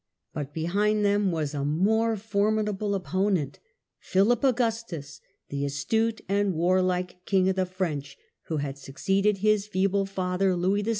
But behind them was a more formidable opponent, Philip Augustus, the astute and warlike King of the phiUp French, who had succeeded his feeble father, Augustus.